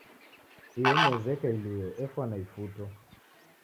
Iyo meza eka ilue efwana ifuto.